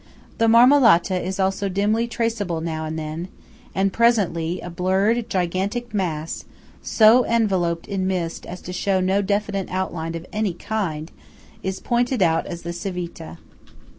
The Marmolata is also dimly traceable now and then; and presently a blurred, gigantic mass so enveloped in mist as to show no definite outline of any kind, is pointed out as the Civita.